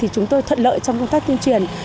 chúng tôi thuận lợi trong công tác tuyên truyền